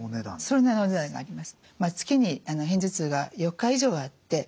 それなりのお値段になります。